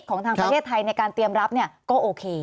ของทางประเทศไทยในการเตรียมรับก็โอเค